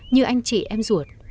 như anh chị em ruột